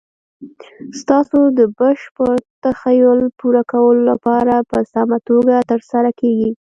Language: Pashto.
ستاسو د بشپړ تخیل پوره کولو لپاره په سمه توګه تر سره کیږي.